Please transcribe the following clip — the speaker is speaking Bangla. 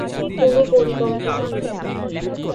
কোনো পরিকল্পনা নেই।